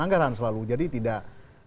anggaran selalu jadi tidak